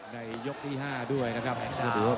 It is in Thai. ยกที่๕ด้วยนะครับ